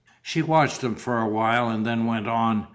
She watched them for awhile and then went on.